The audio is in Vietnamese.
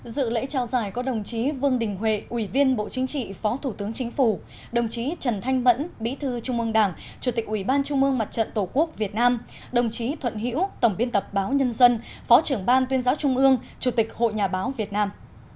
dự lễ trao giải có đồng chí vương đình huệ ủy viên bộ chính trị phó thủ tướng chính phủ đồng chí trần thanh mẫn bí thư trung ương đảng chủ tịch ủy ban trung mương mặt trận tổ quốc việt nam đồng chí thuận hiễu tổng biên tập báo nhân dân phó trưởng ban tuyên giáo trung ương chủ tịch hội nhà báo việt nam